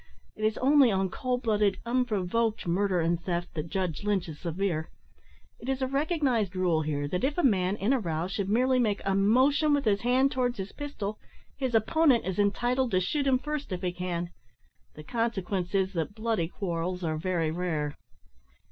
It is only on cold blooded, unprovoked murder and theft that Judge Lynch is severe. It is a recognised rule here, that if a man, in a row, should merely make a motion with his hand towards his pistol, his opponent is entitled to shoot him first if he can. The consequence is, that bloody quarrels are very rare."